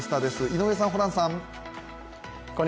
井上さん、ホランさん。